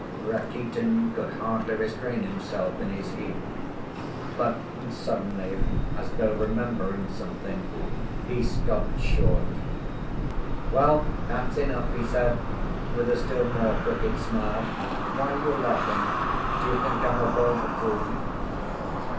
Rakitin could hardly restrain himself in his heat, but, suddenly, as though remembering something, he stopped short. "Well, that's enough," he said, with a still more crooked smile. "Why are you laughing? Do you think I'm a vulgar fool?"